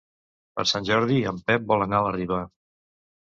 Per Sant Jordi en Pep vol anar a la Riba.